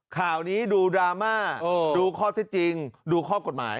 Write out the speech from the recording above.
ข่าวนี้ดูดราม่าดูข้อเท็จจริงดูข้อกฎหมาย